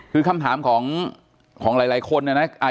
คือคำถามของหลายคนเนี่ยนะ